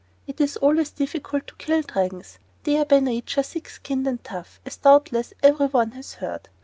It is always difficult to kill Dragons. They are by nature thick skinned and tough, as doubtless every one has heard.